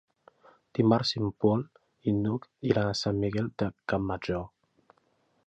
Dimarts en Pol i n'Hug iran a Sant Miquel de Campmajor.